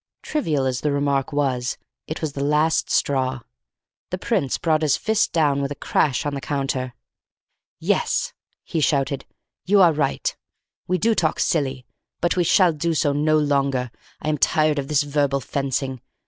Trivial as the remark was, it was the last straw. The Prince brought his fist down with a crash on the counter. "Yes," he shouted, "you are right. We do talk silly; but we shall do so no longer. I am tired of this verbal fencing.